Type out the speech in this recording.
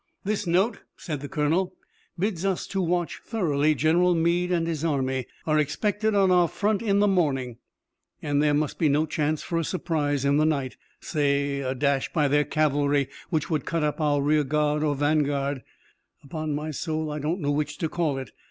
"This note," said the colonel, "bids us to watch thoroughly. General Meade and his army are expected on our front in the morning, and there must be no chance for a surprise in the night, say a dash by their cavalry which would cut up our rear guard or vanguard upon my soul I don't know which to call it.